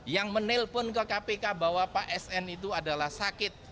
yang menelpon ke kpk bahwa pak sn itu adalah sakit